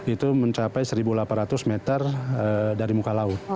itu mencapai satu delapan ratus meter dari muka laut